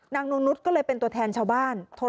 นางนงนุษย์ก็เลยเป็นตัวแทนชาวบ้าน